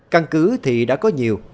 căn cứ thì đã có nhiều